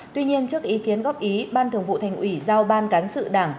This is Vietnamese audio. tuy nhiên trước ý kiến góp ý ban thường vụ thành ủy giao ban cán sự đảng